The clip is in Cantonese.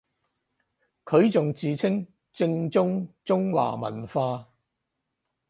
佢仲自稱正宗中華文化